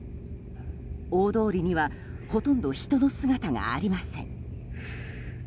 大通りにはほとんど人の姿がありません。